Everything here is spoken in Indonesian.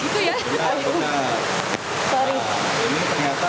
tadi kan masih kecutuk banget gitu ya